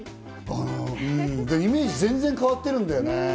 イメージ、全然変わってるんだよね。